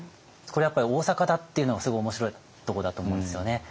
これやっぱり大阪だっていうのがすごい面白いとこだと思うんですよね。